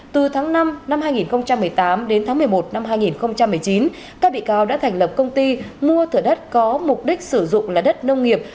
từ tháng năm năm hai nghìn một mươi tám đến tháng một mươi một năm hai nghìn một mươi chín các bị cáo đã thành lập công ty mua thửa đất có mục đích sử dụng là đất nông nghiệp